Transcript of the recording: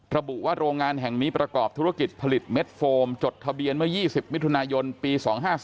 ระบุว่าโรงงานแห่งนี้ประกอบธุรกิจผลิตเม็ดโฟมจดทะเบียนเมื่อ๒๐มิถุนายนปี๒๕๔